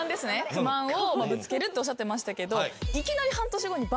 不満をぶつけるっておっしゃってましたけど。